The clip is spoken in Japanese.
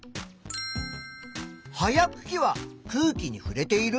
葉やくきは空気にふれている？